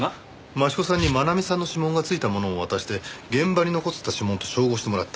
益子さんに真奈美さんの指紋が付いたものを渡して現場に残ってた指紋と照合してもらった。